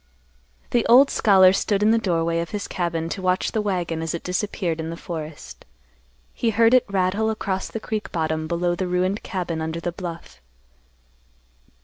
The old scholar stood in the doorway of his cabin to watch the wagon as it disappeared in the forest. He heard it rattle across the creek bottom below the ruined cabin under the bluff.